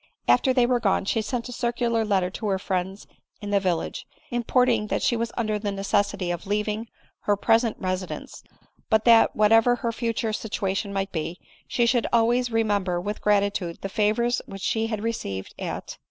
After they were gone she sent a circular letter to her friends in the village, importing that she was under the necessity of leaving her present resi^ dence ; but that, whatever her future situation might be, she should always remember, with gratitude, the favors which she had received at